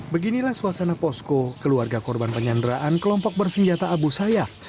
beginilah suasana posko keluarga korban penyanderaan kelompok bersenjata abu sayyaf